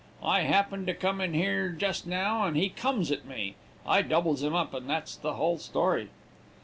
I happened to come in here jus' now, and he comes at me. I doubles him up, and that's the hull story.'